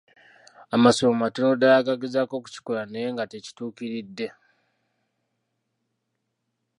Amasomero matono ddala agagezako okukikola naye nga tekituukiridde.